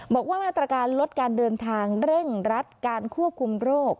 บอกว่ามาตรการลดการเดินทางเร่งรัดการควบคุมโรค